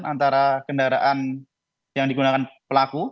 antara kendaraan yang digunakan pelaku